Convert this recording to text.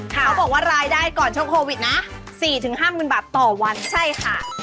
เขาบอกว่ารายได้ก่อนช่วงโควิดนะ๔๕๐๐๐บาทต่อวันใช่ค่ะ